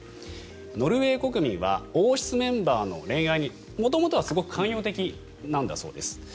ノルウェー国民は王室メンバーの恋愛に元々はすごく寛容的なんだそうです。